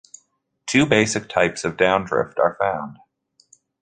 Two basic types of downdrift are found.